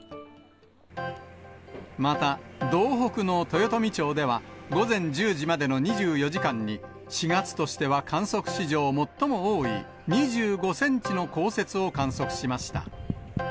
また道北の豊富町では、午前１０時までの２４時間に、４月としては観測史上最も多い２５センチの降雪を観測しました。